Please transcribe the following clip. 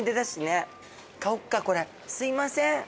すいません。